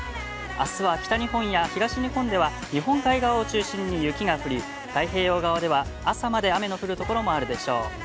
あすは北日本や東日本では日本海側を中心に雪が降り、太平洋側では、朝まで雨の降るところもあるでしょう。